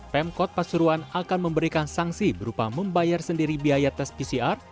pemkot pasuruan akan memberikan sanksi berupa membayar sendiri biaya tes pcr